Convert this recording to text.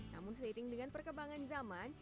namun seiring dengan perkembangan zaman